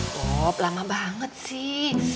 bob lama banget sih